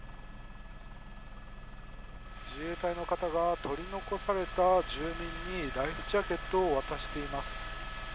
自衛隊の方が、取り残された住民にライフジャケットを渡しています。